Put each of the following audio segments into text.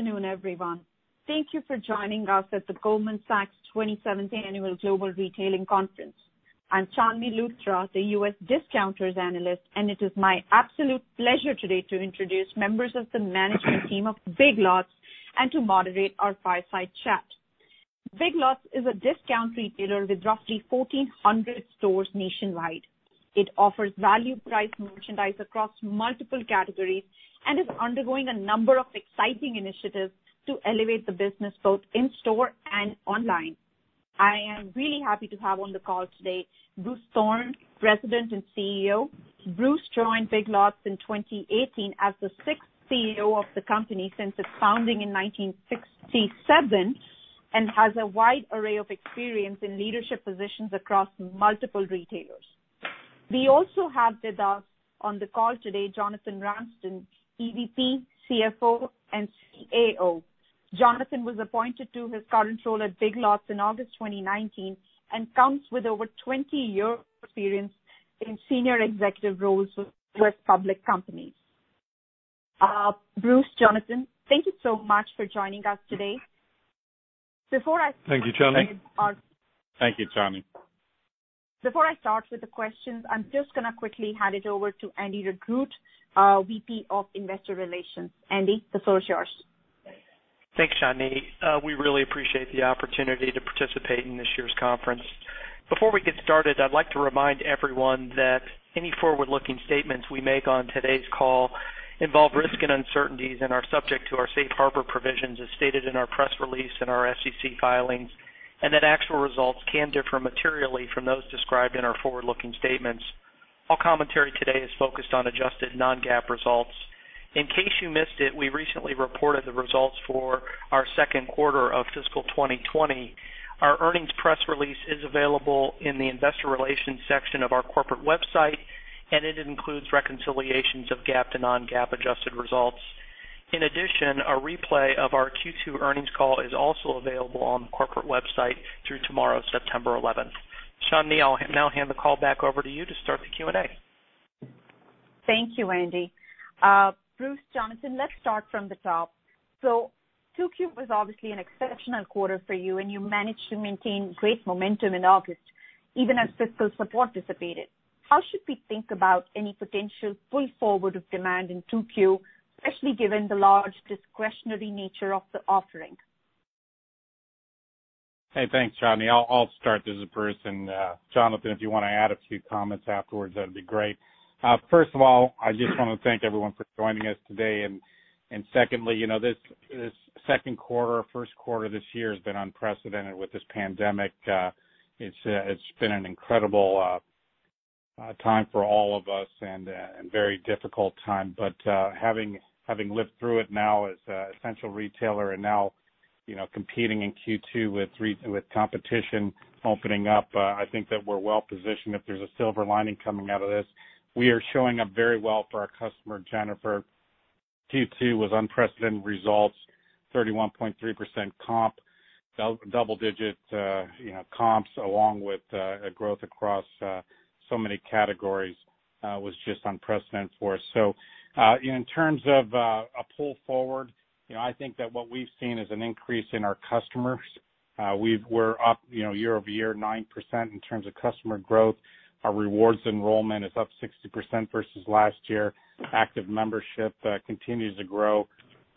Good afternoon, everyone. Thank you for joining us at the Goldman Sachs 27th Annual Global Retailing Conference. I'm Chandni Luthra, the U.S. Discounters Analyst, and it is my absolute pleasure today to introduce members of the management team of Big Lots, and to moderate our fireside chat. Big Lots is a discount retailer with roughly 1,400 stores nationwide. It offers value priced merchandise across multiple categories and is undergoing a number of exciting initiatives to elevate the business, both in store and online. I am really happy to have on the call today, Bruce Thorn, President and CEO. Bruce joined Big Lots in 2018 as the sixth CEO of the company since its founding in 1967, and has a wide array of experience in leadership positions across multiple retailers. We also have with us on the call today, Jonathan Ramsden, EVP, CFO, and CAO. Jonathan was appointed to his current role at Big Lots in August 2019 and comes with over 20 years of experience in senior executive roles with U.S. public companies. Bruce, Jonathan, thank you so much for joining us today. Before I start. Thank you, Chandni. Thank you, Chandni. Before I start with the questions, I'm just going to quickly hand it over to Andy Regrut, VP of Investor Relations. Andy, the floor is yours. Thanks, Chandni. We really appreciate the opportunity to participate in this year's conference. Before we get started, I'd like to remind everyone that any forward-looking statements we make on today's call involve risk and uncertainties and are subject to our safe harbor provisions as stated in our press release and our SEC filings, and that actual results can differ materially from those described in our forward-looking statements. All commentary today is focused on adjusted non-GAAP results. In case you missed it, we recently reported the results for our second quarter of fiscal 2020. Our earnings press release is available in the investor relations section of our corporate website, and it includes reconciliations of GAAP to non-GAAP adjusted results. In addition, a replay of our Q2 earnings call is also available on the corporate website through tomorrow, September 11th. Chandni, I'll now hand the call back over to you to start the Q&A. Thank you, Andy. Bruce, Jonathan, let's start from the top. 2Q was obviously an exceptional quarter for you, and you managed to maintain great momentum in August, even as fiscal support dissipated. How should we think about any potential pull forward of demand in 2Q, especially given the large discretionary nature of the offering? Hey, thanks, Chandni. I'll start this first, and Jonathan, if you want to add a few comments afterwards, that'd be great. First of all, I just want to thank everyone for joining us today. Secondly, this second quarter, first quarter this year has been unprecedented with this pandemic. It's been an incredible time for all of us and a very difficult time. Having lived through it now as an essential retailer and now competing in Q2 with competition opening up, I think that we're well positioned if there's a silver lining coming out of this. We are showing up very well for our customer, Jennifer. Q2 was unprecedented results, 31.3% comp, double-digit comps along with growth across so many categories, was just unprecedented for us. In terms of a pull forward, I think that what we've seen is an increase in our customers. We're up year-over-year 9% in terms of customer growth. Our rewards enrollment is up 60% versus last year. Active membership continues to grow.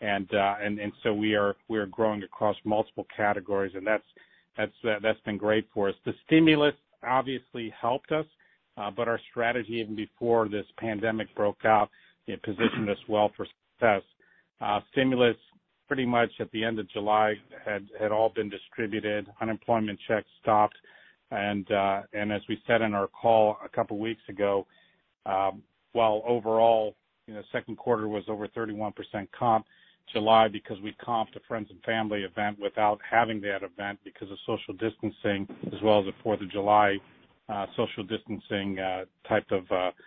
We are growing across multiple categories, and that's been great for us. The stimulus obviously helped us, but our strategy, even before this pandemic broke out, it positioned us well for success. Stimulus pretty much at the end of July had all been distributed. Unemployment checks stopped. As we said in our call a couple of weeks ago, while overall second quarter was over 31% comp, July, because we comped a Friends & Family Event without having that event because of social distancing as well as the 4th of July social distancing type of activity,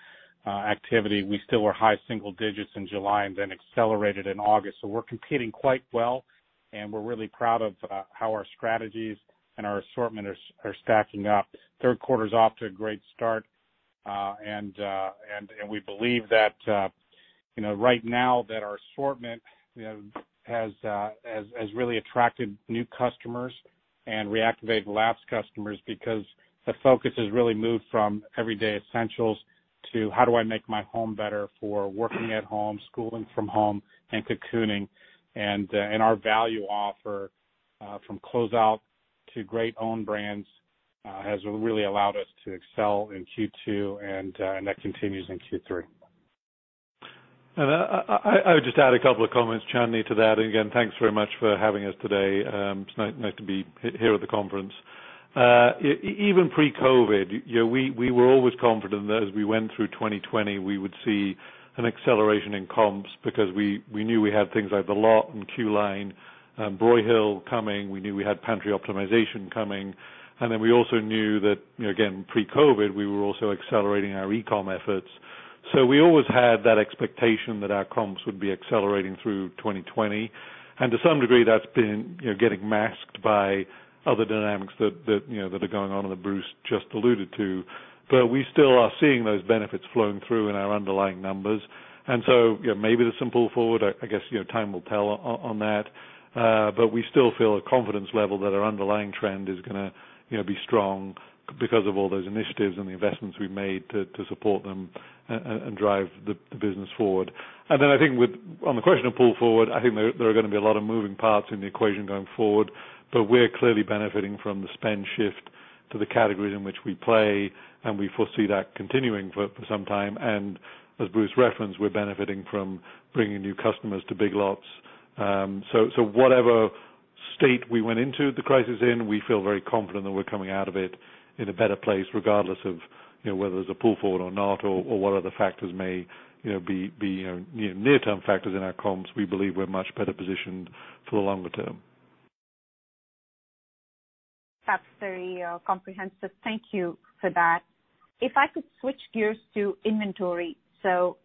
we still were high single digits in July and then accelerated in August. We're competing quite well, and we're really proud of how our strategies and our assortment are stacking up. Third quarter's off to a great start. We believe that right now that our assortment has really attracted new customers and reactivated lapsed customers because the focus has really moved from everyday essentials to how do I make my home better for working at home, schooling from home, and cocooning. Our value offer, from closeout to great own brands, has really allowed us to excel in Q2, and that continues in Q3. I would just add a couple of comments, Chandni, to that. Again, thanks very much for having us today. It's nice to be here at the conference. Even pre-COVID, we were always confident that as we went through 2020, we would see an acceleration in comps because we knew we had things like The LOT! and Queue Line, Broyhill coming. We knew we had pantry optimization coming. We also knew that, again, pre-COVID, we were also accelerating our e-com efforts. We always had that expectation that our comps would be accelerating through 2020. To some degree, that's been getting masked by other dynamics that are going on and that Bruce just alluded to. We still are seeing those benefits flowing through in our underlying numbers. Maybe there's some pull forward. I guess, time will tell on that. We still feel a confidence level that our underlying trend is going to be strong because of all those initiatives and the investments we've made to support them and drive the business forward. Then I think on the question of pull forward, I think there are going to be a lot of moving parts in the equation going forward. We're clearly benefiting from the spend shift to the categories in which we play, and we foresee that continuing for some time. As Bruce referenced, we're benefiting from bringing new customers to Big Lots. Whatever state we went into the crisis in, we feel very confident that we're coming out of it in a better place, regardless of whether there's a pull forward or not or what other factors may be near-term factors in our comps. We believe we're much better positioned for the longer term. That's very comprehensive. Thank you for that. If I could switch gears to inventory.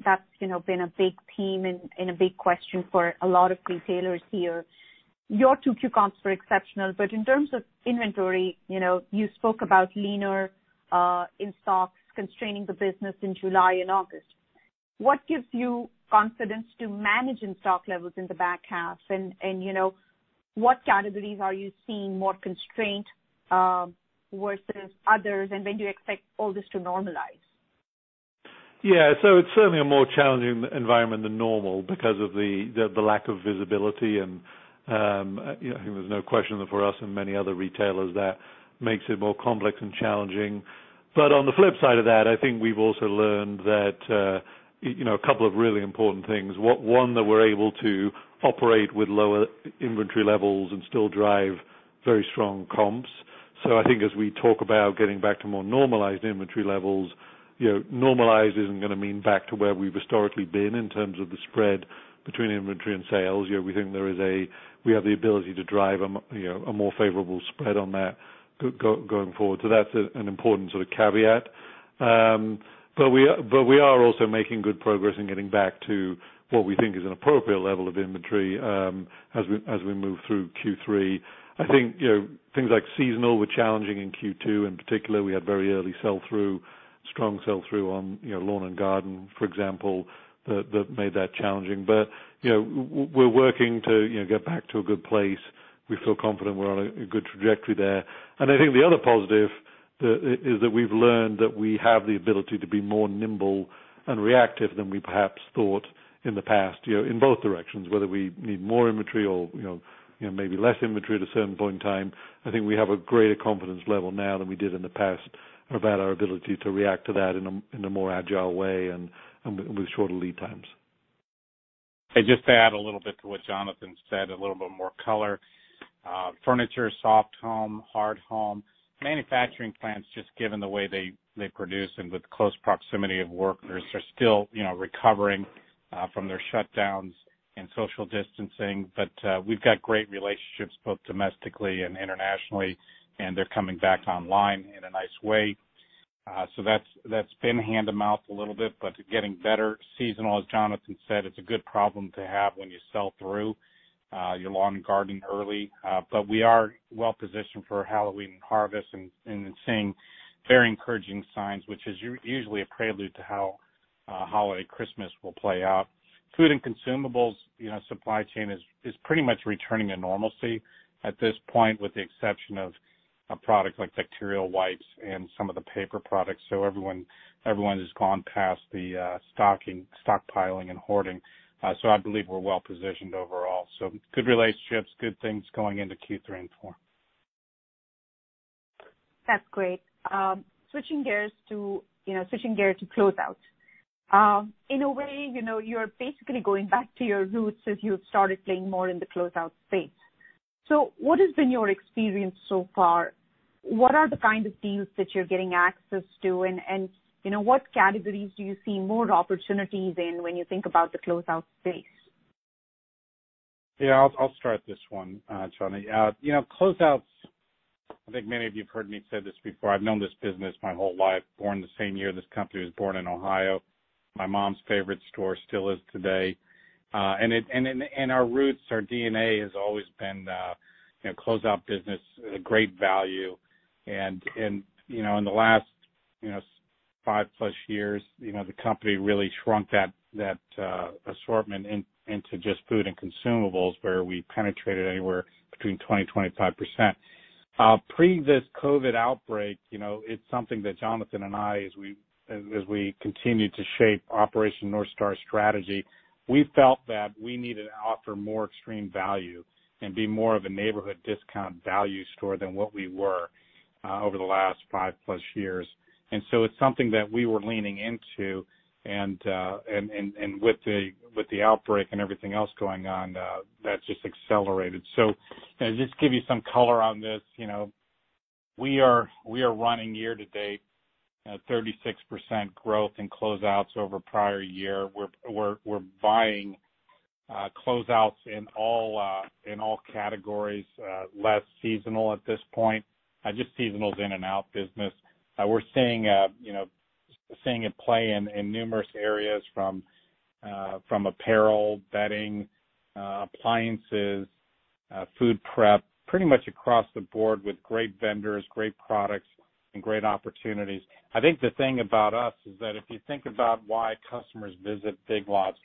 That's been a big theme and a big question for a lot of retailers here. Your 2Q comps were exceptional, but in terms of inventory, you spoke about leaner in-stocks constraining the business in July and August. What gives you confidence to manage in-stock levels in the back half and, what categories are you seeing more constraint, versus others, and when do you expect all this to normalize? Yeah. It's certainly a more challenging environment than normal because of the lack of visibility and, I think there's no question that for us and many other retailers, that makes it more complex and challenging. On the flip side of that, I think we've also learned that, a couple of really important things. One, that we're able to operate with lower inventory levels and still drive very strong comps. I think as we talk about getting back to more normalized inventory levels, normalized isn't going to mean back to where we've historically been in terms of the spread between inventory and sales. We think we have the ability to drive a more favorable spread on that going forward. That's an important sort of caveat. We are also making good progress in getting back to what we think is an appropriate level of inventory, as we move through Q3. I think things like seasonal were challenging in Q2. In particular, we had very early sell-through, strong sell-through on lawn and garden, for example, that made that challenging. We're working to get back to a good place. We feel confident we're on a good trajectory there. I think the other positive is that we've learned that we have the ability to be more nimble and reactive than we perhaps thought in the past, in both directions, whether we need more inventory or maybe less inventory at a certain point in time. I think we have a greater confidence level now than we did in the past about our ability to react to that in a more agile way and with shorter lead times. Just to add a little bit to what Jonathan said, a little bit more color. Furniture, soft home, hard home, manufacturing plants, just given the way they produce and with close proximity of workers are still recovering from their shutdowns and social distancing. We've got great relationships both domestically and internationally, and they're coming back online in a nice way. That's been hand-to-mouth a little bit, but getting better. Seasonal, as Jonathan said, it's a good problem to have when you sell through your lawn and garden early. We are well positioned for Halloween and harvest and seeing very encouraging signs, which is usually a prelude to how holiday Christmas will play out. Food and consumables supply chain is pretty much returning to normalcy at this point, with the exception of a product like antibacterial wipes and some of the paper products. Everyone has gone past the stockpiling and hoarding. I believe we're well positioned overall. Good relationships, good things going into Q3 and Q4. That's great. Switching gears to closeout. In a way, you're basically going back to your roots as you've started playing more in the closeout space. What has been your experience so far? What are the kind of deals that you're getting access to and what categories do you see more opportunities in when you think about the closeout space? Yeah, I'll start this one, Jonathan. Closeouts, I think many of you have heard me say this before. I've known this business my whole life, born the same year this company was born in Ohio. My mom's favorite store still is today. Our roots, our DNA has always been closeout business at a great value. In the last five plus years, the company really shrunk that assortment into just food and consumables where we penetrated anywhere between 20%-25%. Pre this COVID outbreak, it's something that Jonathan and I, as we continue to shape Operation North Star strategy, we felt that we needed to offer more extreme value and be more of a neighborhood discount value store than what we were over the last five plus years. It's something that we were leaning into, and with the outbreak and everything else going on, that just accelerated. Just to give you some color on this, we are running year-to-date at 36% growth in closeouts over prior year. We're buying closeouts in all categories. Less seasonal at this point, just seasonal in and out business. We're seeing it play in numerous areas from apparel, bedding, appliances, food prep, pretty much across the board with great vendors, great products, and great opportunities. I think the thing about us is that if you think about why customers visit Big Lots,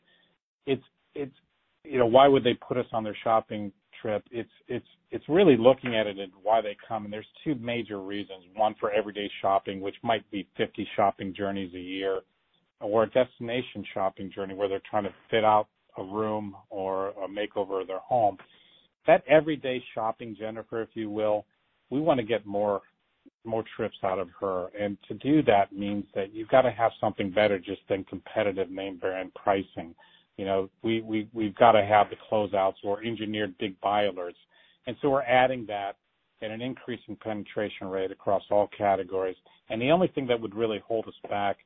why would they put us on their shopping trip? It's really looking at it and why they come, and there's two major reasons. One, for everyday shopping, which might be 50 shopping journeys a year, or a destination shopping journey where they're trying to fit out a room or a makeover of their home. That everyday shopping, Jennifer, if you will, we want to get more trips out of her. To do that means that you've got to have something better just than competitive name brand pricing. We've got to have the closeouts or engineered big buy alerts. We're adding that at an increasing penetration rate across all categories. The only thing that would really hold us back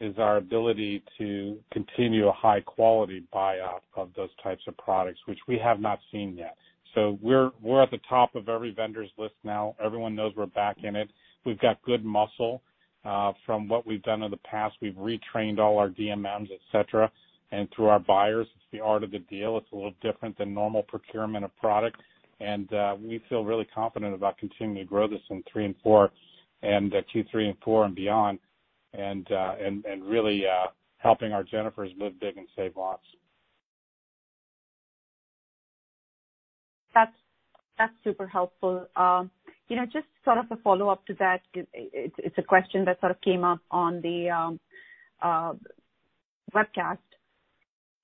is our ability to continue a high-quality buyoff of those types of products, which we have not seen yet. We're at the top of every vendor's list now. Everyone knows we're back in it. We've got good muscle from what we've done in the past. We've retrained all our DMMs, et cetera. Through our buyers, it's the art of the deal. It's a little different than normal procurement of product. We feel really confident about continuing to grow this in three and four, Q3 and Q4 and beyond. Really helping our Jennifers live big and save lots. That's super helpful. Just sort of a follow-up to that. It's a question that sort of came up on the webcast.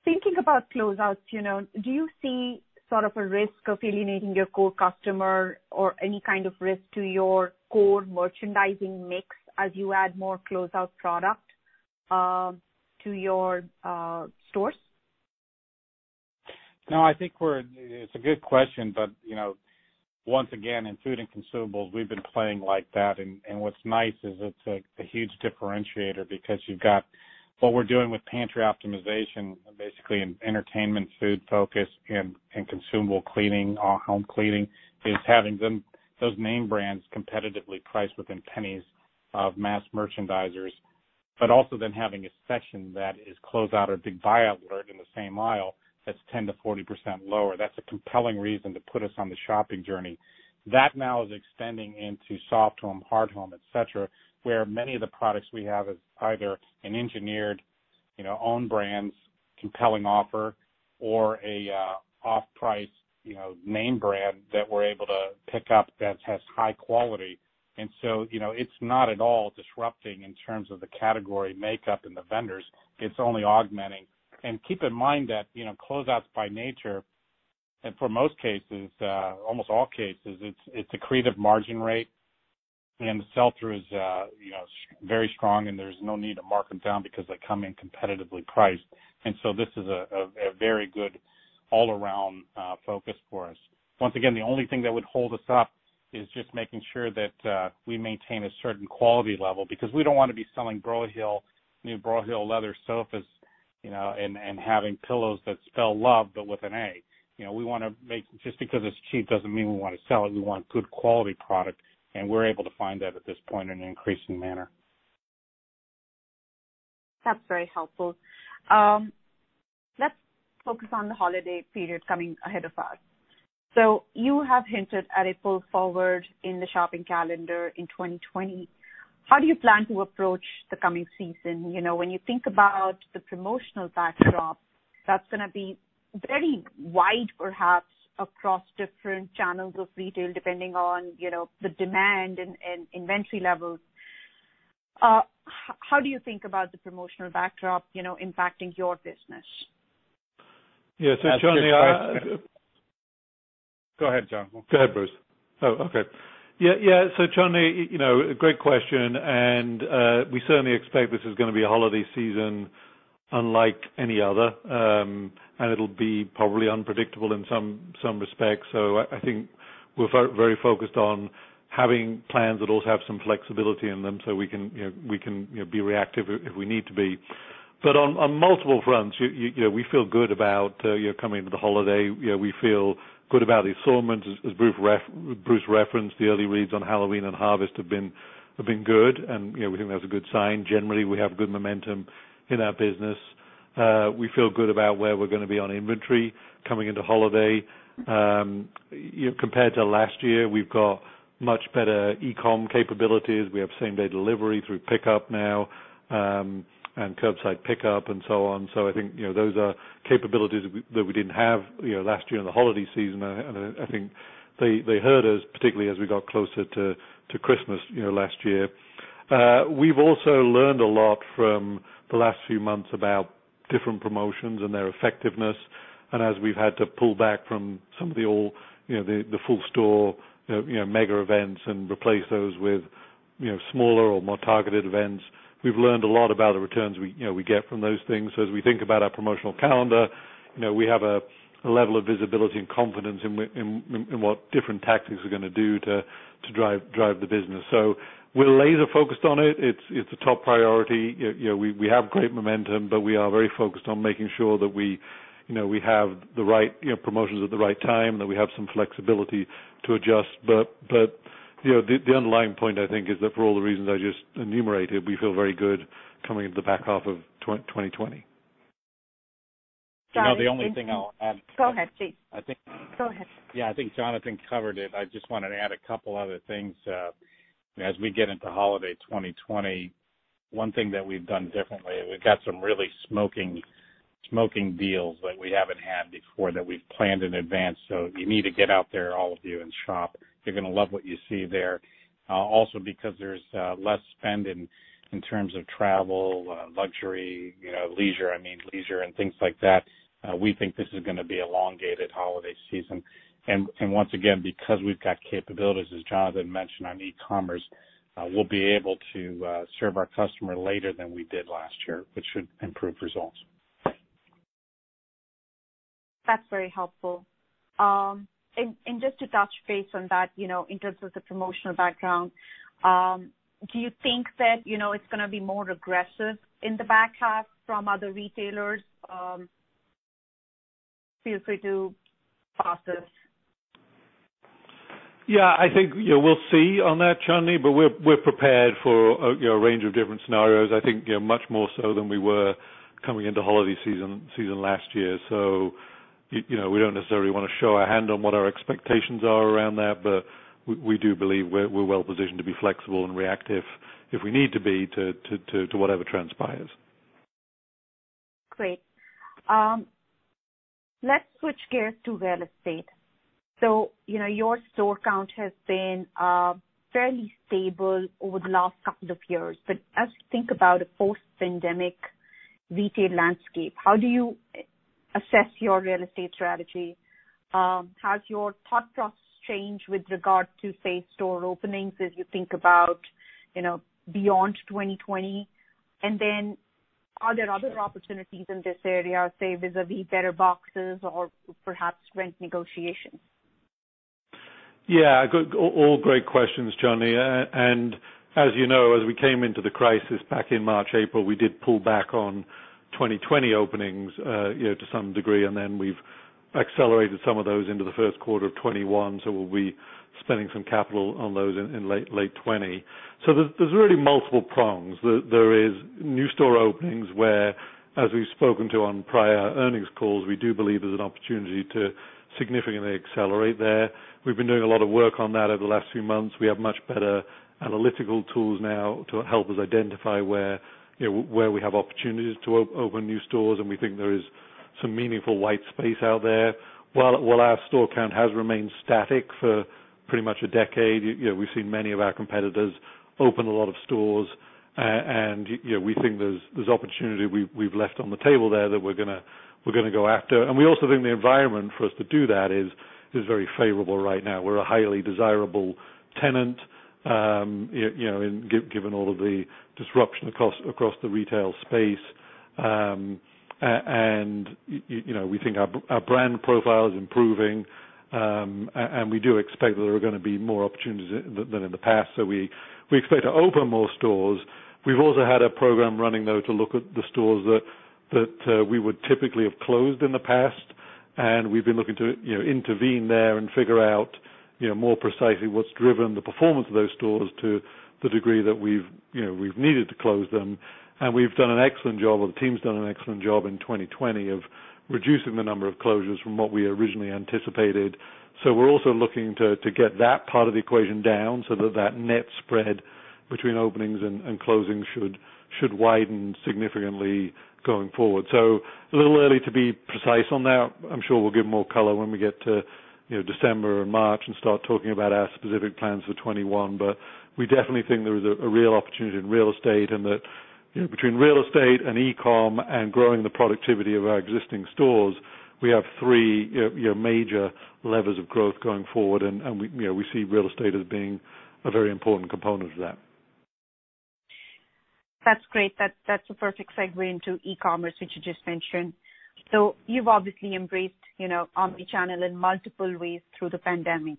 Thinking about closeouts, do you see a risk of alienating your core customer or any kind of risk to your core merchandising mix as you add more closeout product to your stores? No, it's a good question. Once again, in food and consumables, we've been playing like that. What's nice is it's a huge differentiator because you've got what we're doing with pantry optimization, basically in entertainment, food focus, and consumable cleaning, home cleaning, is having those name brands competitively priced within pennies of mass merchandisers, but also then having a section that is closeout or big buyout alert in the same aisle that's 10%-40% lower. That's a compelling reason to put us on the shopping journey. That now is extending into soft home, hard home, et cetera, where many of the products we have is either an engineered own brands compelling offer or an off-price name brand that we're able to pick up that has high quality. So, it's not at all disrupting in terms of the category makeup and the vendors. It's only augmenting. Keep in mind that closeouts by nature, and for most cases, almost all cases, it's accretive margin rate and the sell-through is very strong and there's no need to mark them down because they come in competitively priced. This is a very good all-around focus for us. Once again, the only thing that would hold us up is just making sure that we maintain a certain quality level, because we don't want to be selling new Broyhill leather sofas and having pillows that spell love, but with an A. Just because it's cheap doesn't mean we want to sell it. We want good quality product, and we're able to find that at this point in an increasing manner. That's very helpful. Let's focus on the holiday period coming ahead of us. You have hinted at a pull forward in the shopping calendar in 2020. How do you plan to approach the coming season? When you think about the promotional backdrop, that's going to be very wide, perhaps, across different channels of retail, depending on the demand and inventory levels. How do you think about the promotional backdrop impacting your business? Yeah. Chandni, Go ahead, John. Go ahead, Bruce. Oh, okay. Yeah. Chandni, great question. We certainly expect this is going to be a holiday season unlike any other. It'll be probably unpredictable in some respects. I think we're very focused on having plans that also have some flexibility in them so we can be reactive if we need to be. On multiple fronts, we feel good about coming into the holiday. We feel good about the assortments. As Bruce referenced, the early reads on Halloween and harvest have been good, and we think that's a good sign. Generally, we have good momentum in our business. We feel good about where we're going to be on inventory coming into holiday. Compared to last year, we've got much better e-com capabilities. We have same-day delivery through PICKUP Now, and curbside pickup and so on. I think those are capabilities that we didn't have last year in the holiday season. I think they hurt us, particularly as we got closer to Christmas last year. We've also learned a lot from the last few months about different promotions and their effectiveness. As we've had to pull back from some of the full store mega events and replace those with smaller or more targeted events, we've learned a lot about the returns we get from those things. As we think about our promotional calendar, we have a level of visibility and confidence in what different tactics are going to do to drive the business. We're laser focused on it. It's a top priority. We have great momentum, but we are very focused on making sure that we have the right promotions at the right time, that we have some flexibility to adjust. The underlying point, I think, is that for all the reasons I just enumerated, we feel very good coming into the back half of 2020. Jonathan, thank you. The only thing I'll add. Go ahead, please. I think. Go ahead. Yeah, I think Jonathan covered it. I just wanted to add a couple other things. We get into holiday 2020, one thing that we've done differently, we've got some really smoking deals that we haven't had before, that we've planned in advance. You need to get out there, all of you, and shop. You're going to love what you see there also because there's less spend in terms of travel, luxury, leisure, I mean leisure and things like that, we think this is going to be elongated holiday season. Once again, because we've got capabilities, as Jonathan mentioned, on e-commerce, we'll be able to serve our customer later than we did last year, which should improve results. That's very helpful. Just to touch base on that, in terms of the promotional background, do you think that it's going to be more aggressive in the back half from other retailers? Feel free to pass this. I think we'll see on that, Chandni, but we're prepared for a range of different scenarios. I think much more so than we were coming into holiday season last year. We don't necessarily want to show our hand on what our expectations are around that, but we do believe we're well positioned to be flexible and reactive if we need to be, to whatever transpires. Great. Let's switch gears to real estate. Your store count has been fairly stable over the last couple of years, but as you think about a post-pandemic retail landscape, how do you assess your real estate strategy? Has your thought process changed with regard to, say, store openings as you think about beyond 2020? And then are there other opportunities in this area, say, vis-à-vis better boxes or perhaps rent negotiations? All great questions, Chandni. As you know, as we came into the crisis back in March, April, we did pull back on 2020 openings to some degree, then we've accelerated some of those into the first quarter of 2021. We'll be spending some capital on those in late 2020. There's really multiple prongs. There is new store openings where, as we've spoken to on prior earnings calls, we do believe there's an opportunity to significantly accelerate there. We've been doing a lot of work on that over the last few months. We have much better analytical tools now to help us identify where we have opportunities to open new stores, and we think there is some meaningful white space out there. While our store count has remained static for pretty much a decade, we've seen many of our competitors open a lot of stores. We think there's opportunity we've left on the table there that we're going to go after. We also think the environment for us to do that is very favorable right now. We're a highly desirable tenant, given all of the disruption across the retail space. We think our brand profile is improving. We do expect that there are going to be more opportunities than in the past. We expect to open more stores. We've also had a program running, though, to look at the stores that we would typically have closed in the past, and we've been looking to intervene there and figure out more precisely what's driven the performance of those stores to the degree that we've needed to close them. We've done an excellent job, or the team's done an excellent job in 2020 of reducing the number of closures from what we originally anticipated. We're also looking to get that part of the equation down so that that net spread between openings and closings should widen significantly going forward. A little early to be precise on that. I'm sure we'll give more color when we get to December or March and start talking about our specific plans for 2021. We definitely think there is a real opportunity in real estate, and that between real estate and e-com and growing the productivity of our existing stores, we have three major levers of growth going forward. We see real estate as being a very important component of that. That's great. That's a perfect segue into e-commerce, which you just mentioned. You've obviously embraced omni-channel in multiple ways through the pandemic.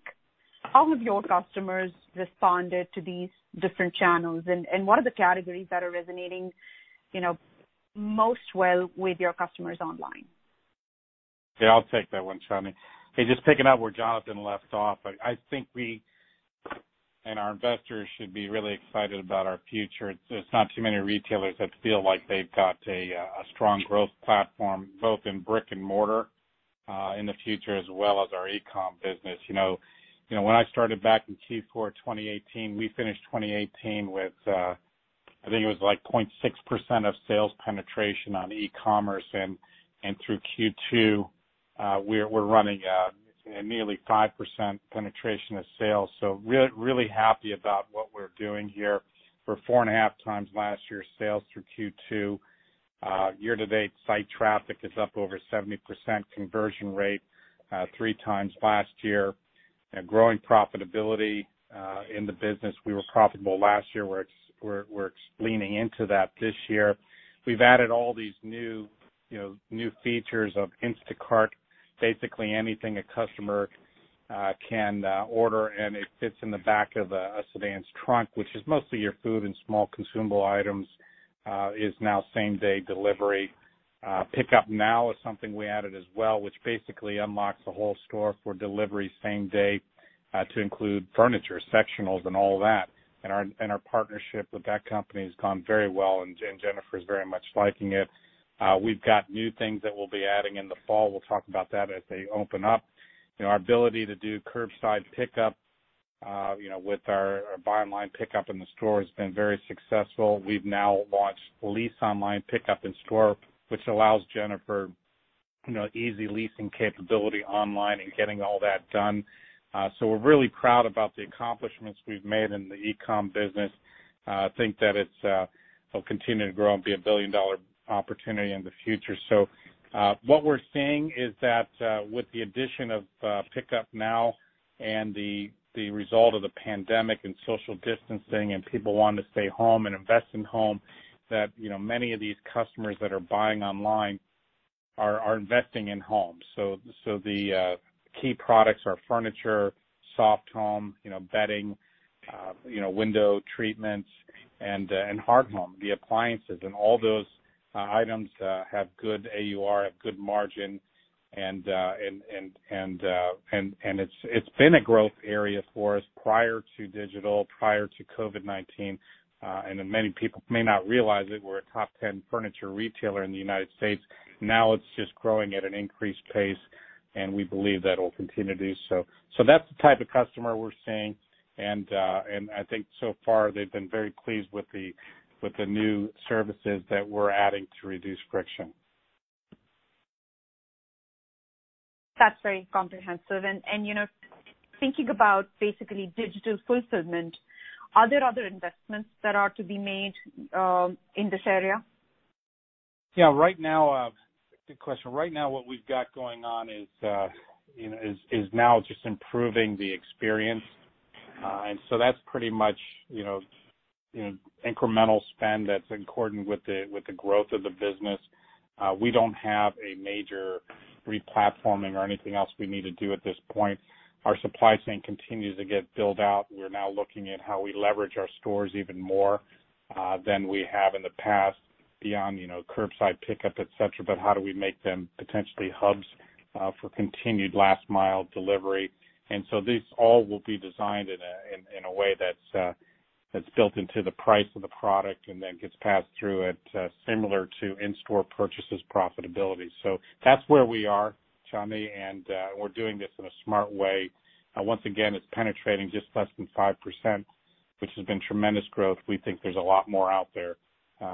How have your customers responded to these different channels, and what are the categories that are resonating most well with your customers online? Yeah, I'll take that one, Chandni. Just picking up where Jonathan left off, I think we and our investors should be really excited about our future. There's not too many retailers that feel like they've got a strong growth platform, both in brick and mortar in the future, as well as our e-com business. When I started back in Q4 2018, we finished 2018 with, I think it was like 0.6% of sales penetration on e-commerce. Through Q2, we're running at nearly 5% penetration of sales. Really happy about what we're doing here. We're 4.5x last year's sales through Q2. Year-to-date, site traffic is up over 70%. Conversion rate, 3x last year. Growing profitability in the business. We were profitable last year. We're leaning into that this year. We've added all these new features of Instacart. Basically, anything a customer can order, and it fits in the back of a sedan's trunk, which is mostly your food and small consumable items, is now same-day delivery. PICKUP Now is something we added as well, which basically unlocks the whole store for delivery same day, to include furniture, sectionals and all that. Our partnership with that company has gone very well, and Jennifer is very much liking it. We've got new things that we'll be adding in the fall. We'll talk about that as they open up. Our ability to do curbside pickup, with our buy online, pickup in the store, has been very successful. We've now launched lease online, pickup in store, which allows Jennifer easy leasing capability online and getting all that done. We're really proud about the accomplishments we've made in the e-com business. It'll continue to grow and be a billion-dollar opportunity in the future. What we're seeing is that with the addition of PICKUP Now and the result of the pandemic and social distancing and people wanting to stay home and invest in home, that many of these customers that are buying online are investing in homes. The key products are furniture, soft home, bedding, window treatments and hard home, the appliances. All those items have good AUR, have good margin, and it's been a growth area for us prior to digital, prior to COVID-19. Many people may not realize it, we're a top 10 furniture retailer in the United States. Now it's just growing at an increased pace, and we believe that will continue to do so. That's the type of customer we're seeing, and I think so far they've been very pleased with the new services that we're adding to reduce friction. That's very comprehensive. Thinking about basically digital fulfillment, are there other investments that are to be made in this area? Yeah. Good question. Right now, what we've got going on is now just improving the experience. That's pretty much incremental spend that's in accordance with the growth of the business. We don't have a major re-platforming or anything else we need to do at this point. Our supply chain continues to get built out. We're now looking at how we leverage our stores even more than we have in the past, beyond curbside pickup, et cetera. How do we make them potentially hubs for continued last-mile delivery? These all will be designed in a way that's built into the price of the product and then gets passed through it, similar to in-store purchases profitability. That's where we are, Chandni, and we're doing this in a smart way. Once again, it's penetrating just less than 5%, which has been tremendous growth. We think there's a lot more out there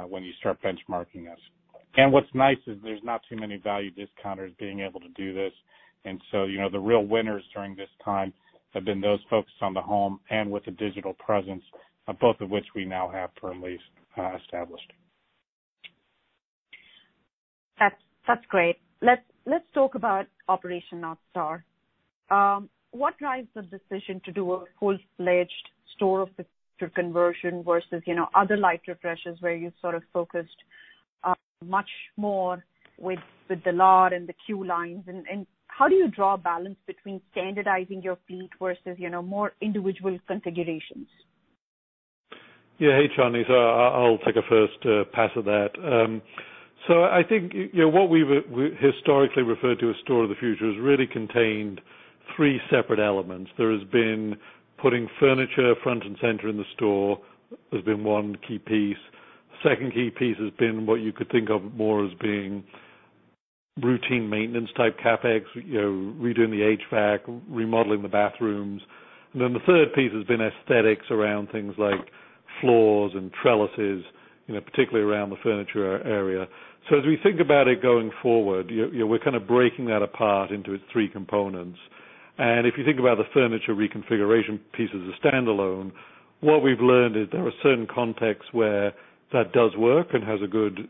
when you start benchmarking us. What's nice is there's not too many value discounters being able to do this. The real winners during this time have been those focused on the home and with a digital presence, both of which we now have firmly established. That's great. Let's talk about Operation North Star. What drives the decision to do a full-fledged store of conversion versus other light refreshes where you sort of focused much more with The LOT! and Queue Lines? How do you draw a balance between standardizing your fleet versus more individual configurations? Yeah. Hey, Chandni. I'll take a first pass at that. I think what we've historically referred to as Store of the Future has really contained three separate elements. There has been putting furniture front and center in the store, has been one key piece. The second key piece has been what you could think of more as being routine maintenance type CapEx, redoing the HVAC, remodeling the bathrooms. The third piece has been aesthetics around things like floors and trellises, particularly around the furniture area. As we think about it going forward, we're kind of breaking that apart into its three components. If you think about the furniture reconfiguration piece as a standalone, what we've learned is there are certain contexts where that does work and has a good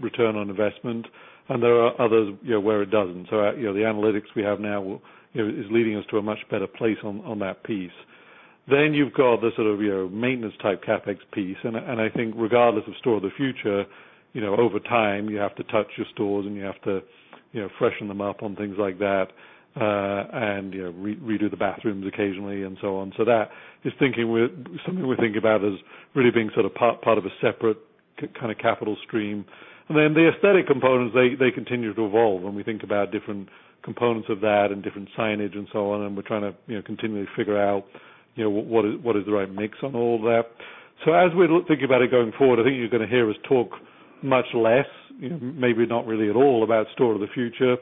return on investment, and there are others where it doesn't. The analytics we have now is leading us to a much better place on that piece. You've got the sort of maintenance type CapEx piece, and I think regardless of Store of the Future, over time, you have to touch your stores, and you have to freshen them up on things like that. Redo the bathrooms occasionally and so on. That is something we think about as really being sort of part of a separate kind of capital stream. The aesthetic components, they continue to evolve. We think about different components of that and different signage and so on, and we're trying to continually figure out what is the right mix on all of that. As we think about it going forward, I think you're going to hear us talk much less, maybe not really at all about Store of the Future,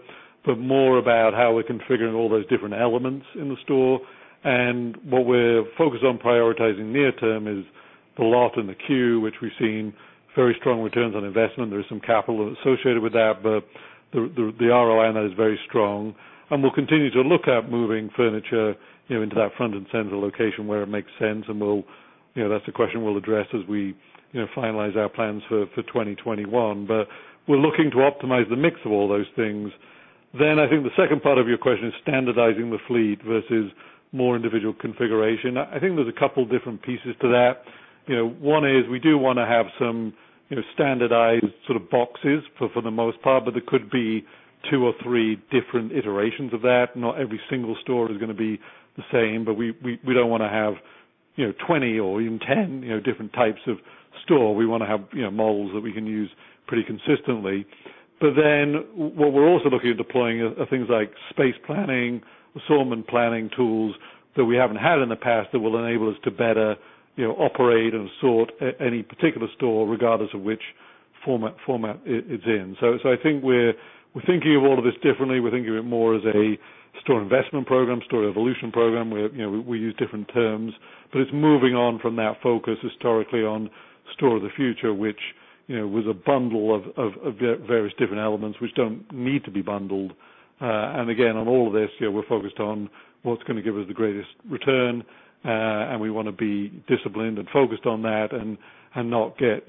but more about how we're configuring all those different elements in the store. What we're focused on prioritizing near term is The LOT! and Queue Line, which we've seen very strong returns on investment. There is some capital associated with that, but the ROI on that is very strong. We'll continue to look at moving furniture into that front and center location where it makes sense, and that's a question we'll address as we finalize our plans for 2021. We're looking to optimize the mix of all those things. I think the second part of your question is standardizing the fleet versus more individual configuration. I think there's a couple different pieces to that. One is we do want to have some standardized sort of boxes for the most part, but there could be two or three different iterations of that. Not every single store is going to be the same. We don't want to have 20 or even 10 different types of store. We want to have models that we can use pretty consistently. What we're also looking at deploying are things like space planning, assortment planning tools that we haven't had in the past that will enable us to better operate and sort any particular store, regardless of which format it's in. I think we're thinking of all of this differently. We're thinking of it more as a store investment program, store evolution program, where we use different terms. It's moving on from that focus historically on Store of the Future, which was a bundle of various different elements which don't need to be bundled. Again, on all of this, we're focused on what's going to give us the greatest return, and we want to be disciplined and focused on that and not get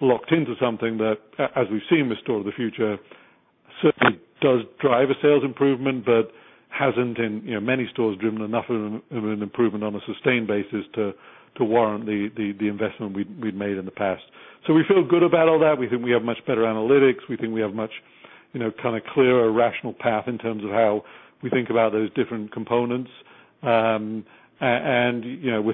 locked into something that, as we've seen with Store of the Future, certainly does drive a sales improvement, but hasn't in many stores driven enough of an improvement on a sustained basis to warrant the investment we'd made in the past. We feel good about all that. We think we have much better analytics. We think we have much kind of clearer, rational path in terms of how we think about those different components. We're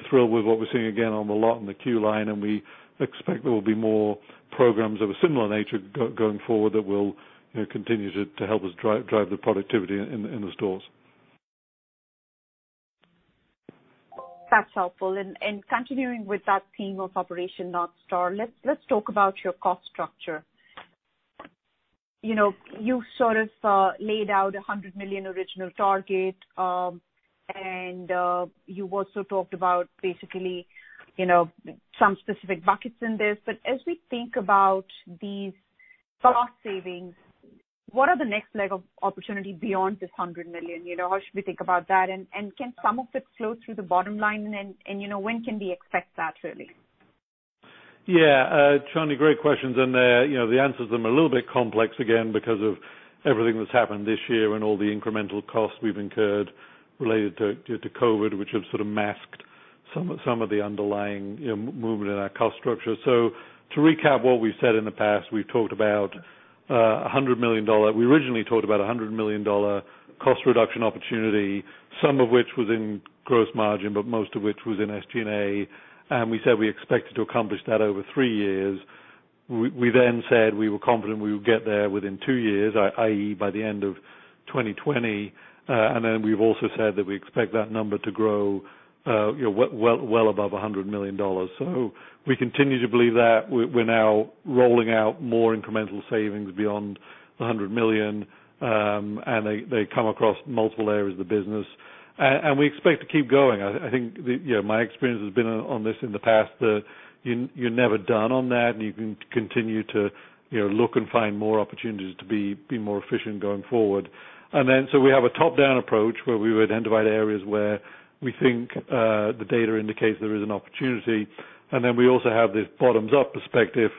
thrilled with what we're seeing again on The LOT! and Queue Line, and we expect there will be more programs of a similar nature going forward that will continue to help us drive the productivity in the stores. That's helpful. Continuing with that theme of Operation North Star, let's talk about your cost structure. You sort of laid out $100 million original target, and you also talked about basically some specific buckets in this. As we think about these cost savings, what are the next leg of opportunity beyond this $100 million? How should we think about that? Can some of it flow through the bottom line, and when can we expect that, really? Chandni, great questions in there. The answers are a little bit complex, again, because of everything that's happened this year and all the incremental costs we've incurred related to COVID, which have sort of masked some of the underlying movement in our cost structure. To recap what we've said in the past, we originally talked about a $100 million cost reduction opportunity, some of which was in gross margin, but most of which was in SG&A. We said we expected to accomplish that over three years. We said we were confident we would get there within two years, i.e., by the end of 2020. We've also said that we expect that number to grow well above $100 million. We continue to believe that. We're now rolling out more incremental savings beyond the $100 million, and they come across multiple areas of the business. We expect to keep going. I think my experience has been on this in the past, that you're never done on that, and you can continue to look and find more opportunities to be more efficient going forward. We have a top-down approach, where we would identify the areas where we think the data indicates there is an opportunity, and then we also have this bottoms-up perspective,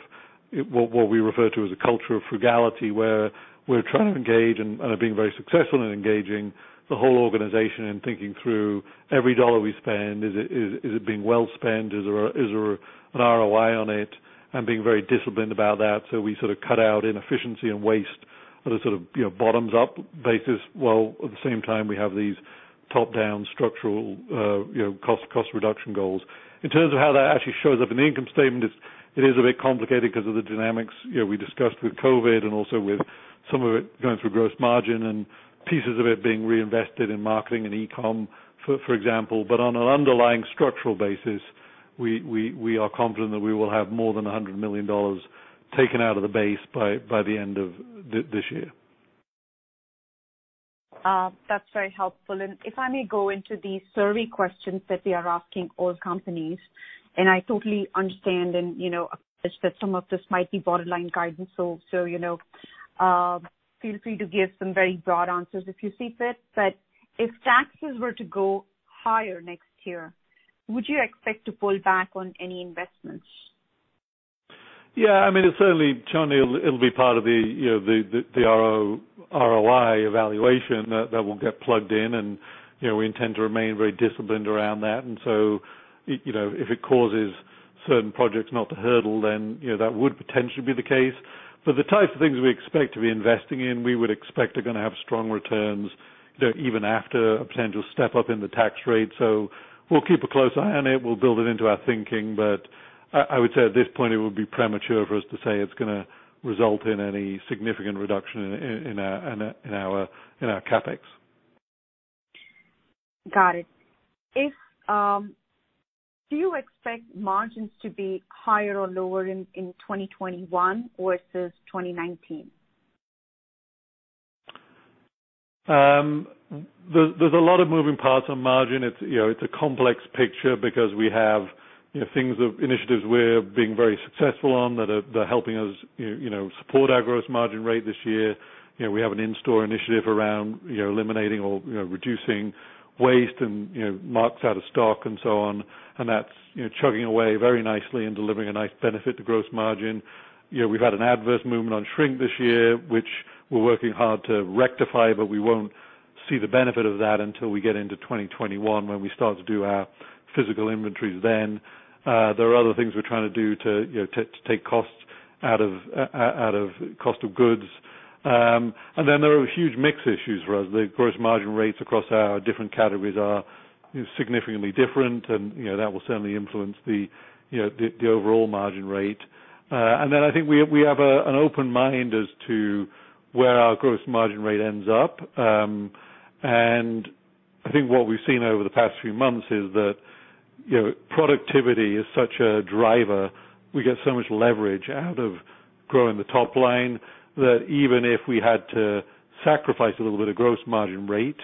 what we refer to as a culture of frugality, where we're trying to engage and are being very successful in engaging the whole organization in thinking through every dollar we spend. Is it being well spent? Is there an ROI on it? Being very disciplined about that. We sort of cut out inefficiency and waste on a sort of bottoms-up basis, while at the same time, we have these top-down structural cost reduction goals. In terms of how that actually shows up in the income statement, it is a bit complicated because of the dynamics we discussed with COVID and also with some of it going through gross margin and pieces of it being reinvested in marketing and e-com, for example. On an underlying structural basis, we are confident that we will have more than $100 million taken out of the base by the end of this year. That's very helpful. If I may go into the survey questions that we are asking all companies, I totally understand and acknowledge that some of this might be borderline guidance, feel free to give some very broad answers if you see fit. If taxes were to go higher next year, would you expect to pull back on any investments? I mean, certainly, Chandni, it'll be part of the ROI evaluation that will get plugged in, and we intend to remain very disciplined around that. If it causes certain projects not to hurdle, then that would potentially be the case. The types of things we expect to be investing in, we would expect are going to have strong returns even after a potential step up in the tax rate. We'll keep a close eye on it. We'll build it into our thinking. I would say at this point, it would be premature for us to say it's going to result in any significant reduction in our CapEx. Got it. Do you expect margins to be higher or lower in 2021 versus 2019? There's a lot of moving parts on margin. It's a complex picture because we have initiatives we're being very successful on that are helping us support our gross margin rate this year. We have an in-store initiative around eliminating or reducing waste and mark-outs and so on, and that's chugging away very nicely and delivering a nice benefit to gross margin. We've had an adverse movement on shrink this year, which we're working hard to rectify, but we won't see the benefit of that until we get into 2021, when we start to do our physical inventories then. There are other things we're trying to do to take costs out of cost of goods. There are huge mix issues for us. The gross margin rates across our different categories are significantly different and that will certainly influence the overall margin rate. I think we have an open mind as to where our gross margin rate ends up. I think what we've seen over the past few months is that productivity is such a driver. We get so much leverage out of growing the top line, that even if we had to sacrifice a little bit of gross margin rate,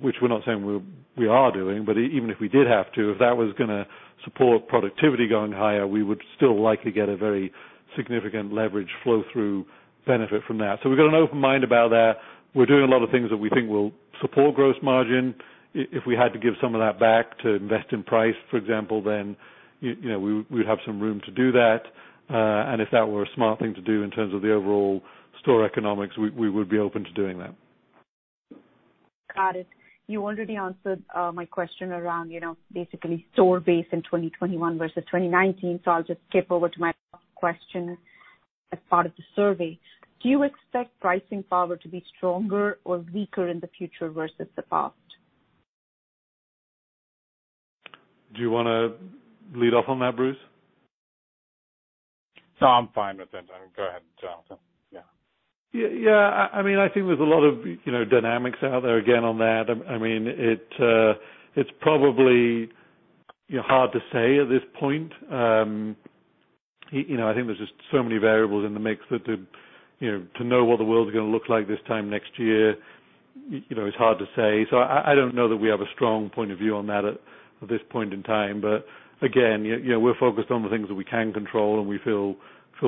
which we're not saying we are doing, but even if we did have to, if that was going to support productivity going higher, we would still likely get a very significant leverage flow through benefit from that. We've got an open mind about that. We're doing a lot of things that we think will support gross margin. If we had to give some of that back to invest in price, for example, we'd have some room to do that. If that were a smart thing to do in terms of the overall store economics, we would be open to doing that. Got it. You already answered my question around basically store base in 2021 versus 2019. I'll just skip over to my question as part of the survey. Do you expect pricing power to be stronger or weaker in the future versus the past? Do you want to lead off on that, Bruce? No, I'm fine with it. Go ahead, Jonathan. Yeah. I think there's a lot of dynamics out there again on that. It's probably hard to say at this point. I think there's just so many variables in the mix that to know what the world's going to look like this time next year, it's hard to say. I don't know that we have a strong point of view on that at this point in time. Again, we're focused on the things that we can control, and we feel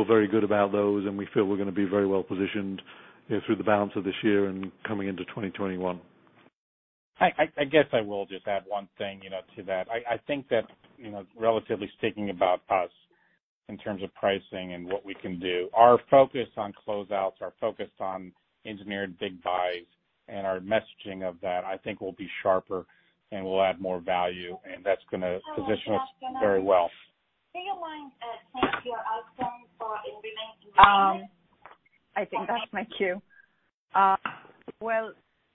very good about those, and we feel we're going to be very well positioned through the balance of this year and coming into 2021. I guess I will just add one thing to that. I think that, relatively speaking about us in terms of pricing and what we can do, our focus on closeouts, our focus on engineered big buys, and our messaging of that, I think will be sharper and will add more value, and that's going to position us very well. I think that's my cue. Well,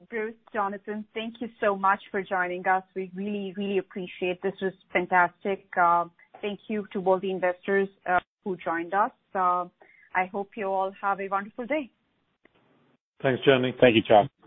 Bruce, Jonathan, thank you so much for joining us. We really, really appreciate. This was fantastic. Thank you to all the investors who joined us. I hope you all have a wonderful day. Thanks, Chandni. Thank you, Chandni.